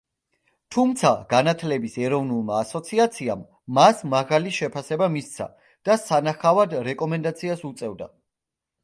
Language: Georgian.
თუმცა, განათლების ეროვნულმა ასოციაციამ მას მაღალი შეფასება მისცა და სანახავად რეკომენდაციას უწევდა.